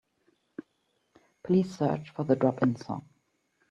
Please search for the Drop-In song.